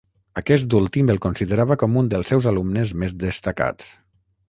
Aquest últim el considerava com un dels seus alumnes més destacats.